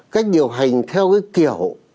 cách điều hành theo cái kiểu